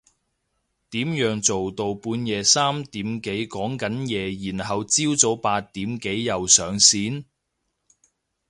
點樣做到半夜三點幾講緊嘢然後朝早八點幾又上線？